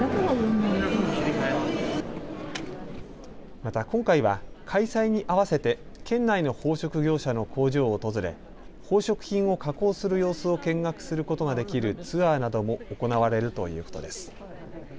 また今回は開催に合わせて県内の宝飾業者の工場を訪れ宝飾品を加工する様子を見学することができるツアーなども行われるということです。